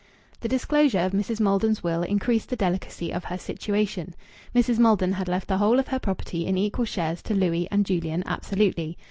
The disclosure of Mrs. Maldon's will increased the delicacy of her situation. Mrs. Maldon had left the whole of her property in equal shares to Louis and Julian absolutely.